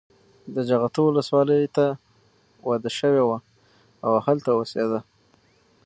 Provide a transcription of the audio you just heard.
د جغتو ولسوالۍ ته واده شوې وه او هلته اوسېده.